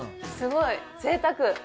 すごいぜいたく！